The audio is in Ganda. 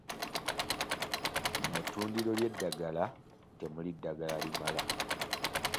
Mu ttundiro ly'eddagala temuli ddagala limala.